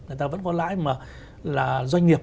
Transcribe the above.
người ta vẫn có lãi mà là doanh nghiệp